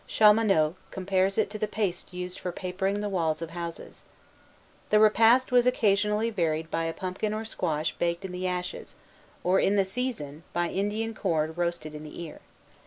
Chaumonot compares it to the paste used for papering the walls of houses. The repast was occasionally varied by a pumpkin or squash baked in the ashes, or, in the season, by Indian corn roasted in the ear.